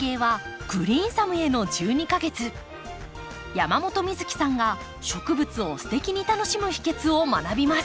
山本美月さんが植物をステキに楽しむ秘けつを学びます。